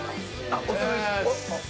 お疲れっす。